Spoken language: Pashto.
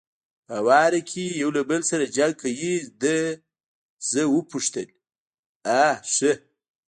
په هواره کې یو له بل سره جنګ کوي، ده زه وپوښتل: آ ښه.